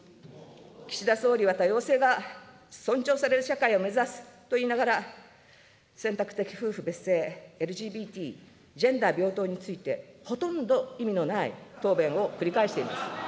岸田総理は多様性が尊重される社会を目指すと言いながら、選択的夫婦別姓、ＬＧＢＴ、ジェンダー平等について、ほとんど意味のない答弁を繰り返しています。